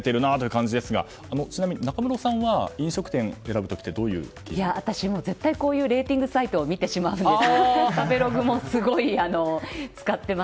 いろいろなサービスが出ているなという感じですがちなみに中室さんは飲食店選ぶ時って私、絶対こういうレーティングサイトを見てしまうんです。